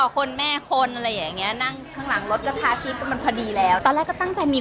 คนแม่คนอะไรอย่างนี้นั่งข้างหลังรถก็พาพอดีแล้วตั้งใจมี